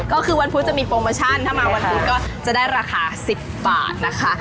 ก็คือวันพุธจะมีโปรโมชั่นถ้ามาวันพุธก็จะได้ราคา๑๐บาทนะคะ